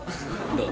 どう？